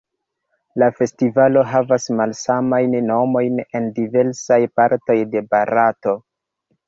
La festivalo havas malsamajn nomojn en diversaj partoj de Barato.